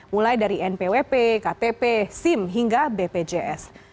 mulai dari npwp ktp sim hingga bpjs